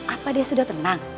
apa dia sudah tenang